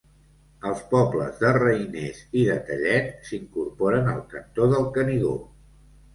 Els pobles de Reiners i de Tellet s'incorporaren al Cantó del Canigó.